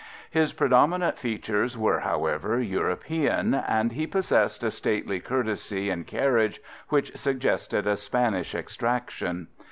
His predominant features were, however, European, and he possessed a stately courtesy and carriage which suggested a Spanish extraction.